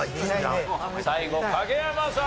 最後影山さん